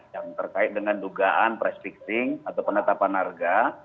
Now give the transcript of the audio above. yang terkait dengan dugaan prespixing atau penetapan harga